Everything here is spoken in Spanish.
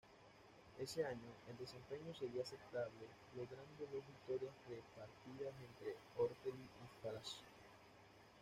Ese año, el desempeño sería aceptable, logrando dos victorias repartidas entre Ortelli y Falaschi.